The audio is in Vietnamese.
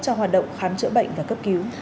cho hoạt động khám chữa bệnh và cấp cứu